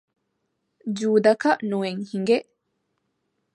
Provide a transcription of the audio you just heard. ޖޫދަކަށް ނުއެއް ހިނގެ